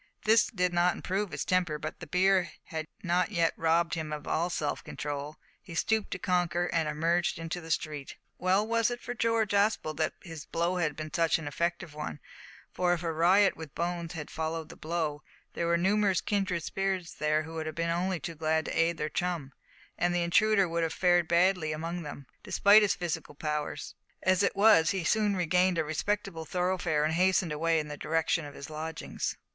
This did not improve his temper, but the beer had not yet robbed him of all self control; he stooped to conquer and emerged into the street. Well was it for George Aspel that his blow had been such an effective one, for if a riot with Bones had followed the blow, there were numerous kindred spirits there who would have been only too glad to aid their chum, and the intruder would have fared badly among them, despite his physical powers. As it was, he soon regained a respectable thoroughfare, and hastened away in the direction of his lodgings.